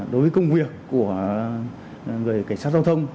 đối với công việc của người cảnh sát giao thông